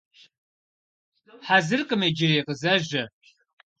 Хьэзыркъым иджыри, къызэжьэ.